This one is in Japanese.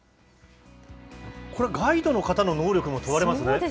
これ、ガイドの方の能力も問われますね。